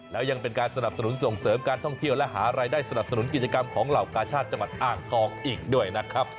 แล้วยังเป็นการสนับสนุนส่งเสริมการท่องเที่ยวและหารายได้สนับสนุนกิจกรรมของเหล่ากาชาติจังหวัดอ่างทองอีกด้วยนะครับ